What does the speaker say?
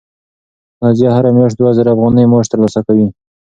نازیه هره میاشت دوه زره افغانۍ معاش ترلاسه کوي.